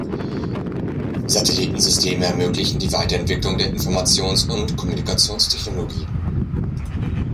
Satellitensysteme ermöglichen die Weiterentwicklung der Informationsund Kommunikationstechnologie.